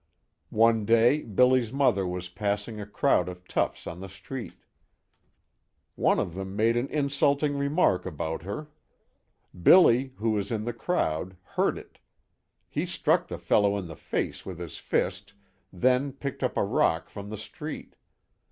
One day Billy's mother was passing a crowd of toughs on the street. One of them made an insulting remark about her. Billy, who was in the crowd, heard it. He struck the fellow in the face with his fist, then picked up a rock from the street.